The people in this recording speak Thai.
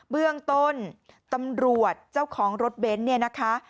เบื้องต้นตำรวจเจ้าของรถเบนท์เนี่ยนะคะ